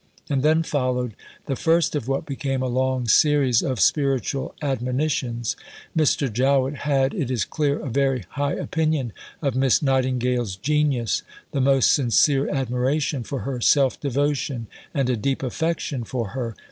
And then followed the first of what became a long series of spiritual admonitions. Mr. Jowett had, it is clear, a very high opinion of Miss Nightingale's genius, the most sincere admiration for her self devotion, and a deep affection for her.